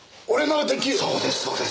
そうですそうです。